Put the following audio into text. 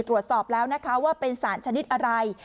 ตรวจสอบแล้วนะคะว่าเป็นสารชนิดอะไร